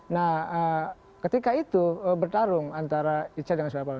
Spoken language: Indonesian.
nah ketika itu bertarung antara icah dengan suryapalo